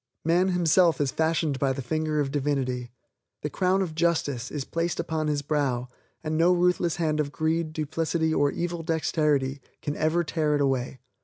Man himself is fashioned by the finger of Divinity. The crown of justice is placed upon his brow and no ruthless hand of greed, duplicity or evil dexterity can ever tear it away.